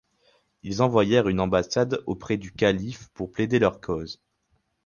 Il envoyèrent une ambassade auprès du calife pour plaider leur cause.